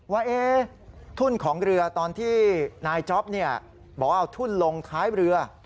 ว่าทุ่นของเรือตอนที่นายจ๊อปบอกว่าเอาทุ่นลงท้ายเรือ